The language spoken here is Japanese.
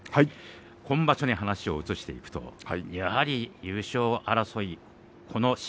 今場所に話を移していくとやはり優勝争い